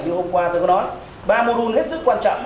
như hôm qua tôi có nói ba mô đun hết sức quan trọng